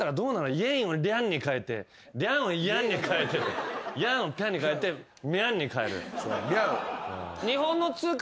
イェンをリャンに替えてリャンをイャンに替えてイャンをピャンに替えてミャンに替える。